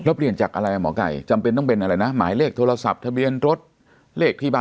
เปลี่ยนจากอะไรหมอไก่จำเป็นต้องเป็นอะไรนะหมายเลขโทรศัพท์ทะเบียนรถเลขที่บ้าน